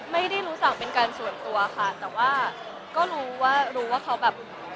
ไม่ได้รู้สึกเป็นการส่วนตัวค่ะแต่ว่าก็รู้ว่าเค้ามีคนคุยอยู่